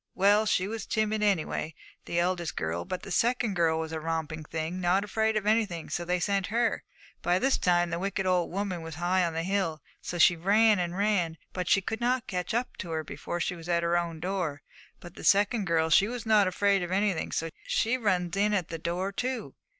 Well, she was timid, anyway, the eldest girl. But the second girl was a romping thing, not afraid of anything, so they sent her. By this time the wicked old woman was high on the hill; so she ran and ran, but she could not catch her before she was in at her own door; but that second girl, she was not afraid of anything, so she runs in at the door, too.